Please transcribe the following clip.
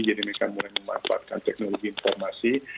jadi mereka mulai memanfaatkan teknologi informasi